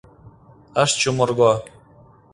Ыш чумырго.